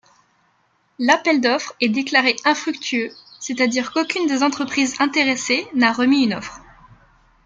L'appel d'offres est déclaré infructueux, c'est-à-dire qu'aucune des entreprises intéressées n'a remis une offre.